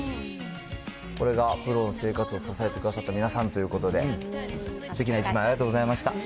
これがプロの生活を支えてくださった皆さんということで、すてきな１枚ありがとうございました。